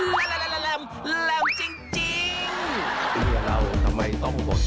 แหลมแหลมจริง